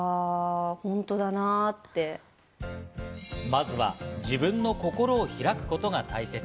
まずは自分の心を開くことが大切。